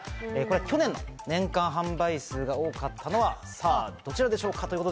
去年の年間販売数が多かったのはさぁどちらでしょうか？